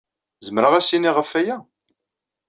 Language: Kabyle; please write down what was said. Zemreɣ ad as-iniɣ ɣef waya?